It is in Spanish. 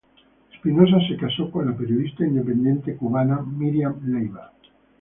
Espinosa se casó con la periodista independiente cubana Miriam Leiva.